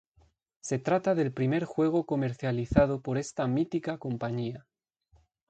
Se trata del primer juego comercializado por esta mítica compañía.